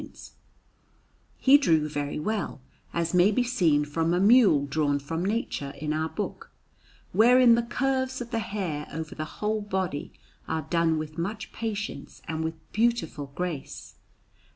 Panel_)] He drew very well, as may be seen from a mule drawn from nature in our book, wherein the curves of the hair over the whole body are done with much patience and with beautiful grace.